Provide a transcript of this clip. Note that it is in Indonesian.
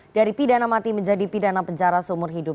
dari pidana mati menjadi pidana penjara seumur hidup